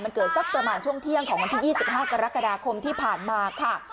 มันเกิดสักประมาณช่วงเที่ยงของวันที่๒๕กรกฎาคมที่ผ่านมาค่ะ